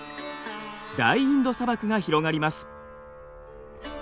大インド砂漠が広がります。